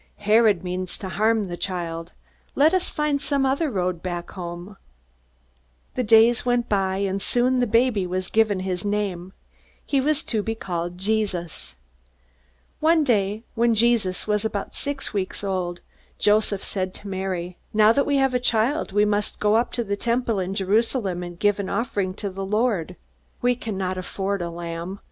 "Herod means to harm the child. Let us find some other road back home." The days went by, and soon the baby was given his name. He was to be called Jesus. One day, when Jesus was about six weeks old, Joseph said to Mary: "Now that we have a child, we must go up to the Temple in Jerusalem and give an offering to the Lord. We cannot afford a lamb.